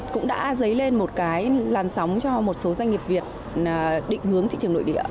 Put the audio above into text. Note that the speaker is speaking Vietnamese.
cũng đã dấy lên một cái làn sóng cho một số doanh nghiệp việt định hướng thị trường nội địa